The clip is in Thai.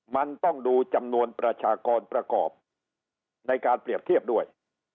มันต้องดูจำนวนประชากรประกอบในการเปรียบเทียบด้วย